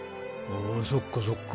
そっかそっか。